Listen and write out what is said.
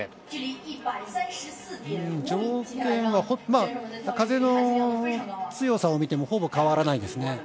条件は風の強さを見てもほぼ変わらないですね。